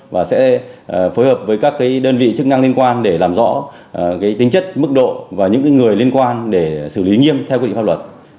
và sẽ phối hợp với các đơn vị chức năng liên quan để làm rõ tính chất mức độ và những người liên quan để xử lý nghiêm theo quy định pháp luật